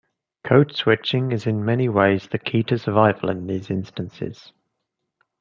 Code switching is in many ways the key to survival in these instances.